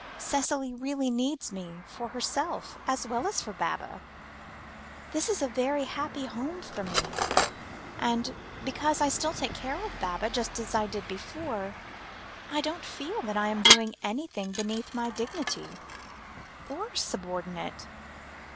Cicely really needs me, for herself, as well as for Baba; this is a very happy home for me, and, because I still take care of Baba just as I did before, I don't feel I am doing anything beneath my dignity, or subordinate."